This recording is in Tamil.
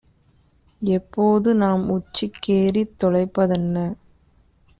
எப்போது நாம்உச்சிக் கேறித் தொலைப்பதென